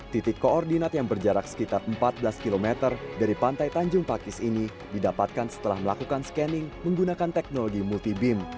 titik koordinat yang berjarak sekitar empat belas km dari pantai tanjung pakis ini didapatkan setelah melakukan scanning menggunakan teknologi multi beam